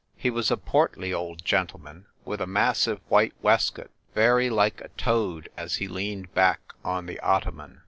He was a portly old gentleman with a massive white waistcoat, very like a toad as he leaned back on the ottoman.